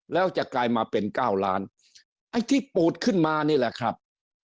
แล้วจะกลายมาเป็น๙ล้านไอ้ที่ปูดขึ้นมานี่แหละครับ